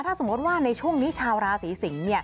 ถ้าสมมติว่าในช่วงนี้ชาวราศีสิงศ์